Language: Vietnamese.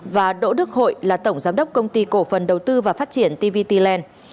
và đỗ đức hội là tổng giám đốc công ty cổ phần đầu tư và phát triển tvt land